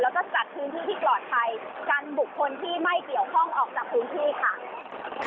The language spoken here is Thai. แล้วก็จัดพื้นที่ที่ปลอดภัยกันบุคคลที่ไม่เกี่ยวข้องออกจากพื้นที่ค่ะ